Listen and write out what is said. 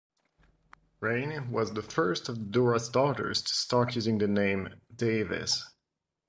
Reine was the first of the Douras daughters to start using the name, 'Davies.